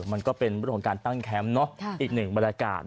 มันก็เป็นบริษัทการตั้งแคมป์เนอะอีกหนึ่งบริการ